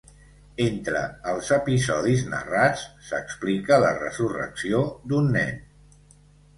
Entre els episodis narrats, s'explica la resurrecció d'un nen.